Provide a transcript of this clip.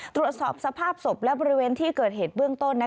ตรวจสอบสภาพศพและบริเวณที่เกิดเหตุเบื้องต้น